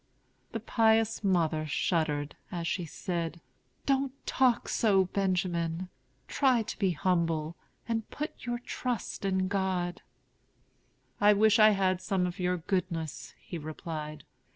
The pious mother shuddered, as she said: "Don't talk so, Benjamin. Try to be humble, and put your trust in God." "I wish I had some of your goodness," he replied.